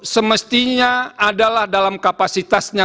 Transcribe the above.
semestinya adalah dalam kapasitasnya